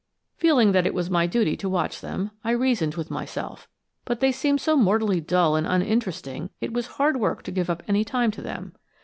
Feeling that it was my duty to watch them, I reasoned with myself, but they seemed so mortally dull and uninteresting it was hard work to give up any time to them.